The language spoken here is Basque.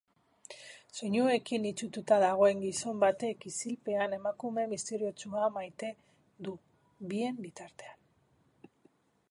Soinuekin itsututa dagoen gizon batek isilpean emakume misteriotsua maite du, bien bitartean.